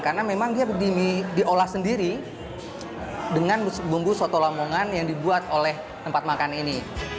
karena memang dia diolah sendiri dengan bumbu soto lamongan yang dibuat oleh tempat makan ini